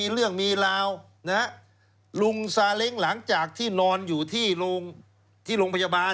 ลุงสาเล็งหลังจากที่นอนอยู่ที่โรงพยาบาล